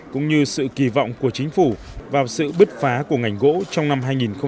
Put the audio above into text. cũng như sự kỳ vọng của chính phủ vào sự bứt phá của ngành gỗ trong năm hai nghìn một mươi chín